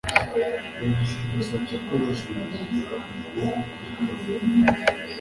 Yogosha umusatsi akoresheje ukuboko kwikora